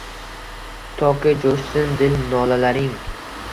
Toki jo’shsin dil nolalaring.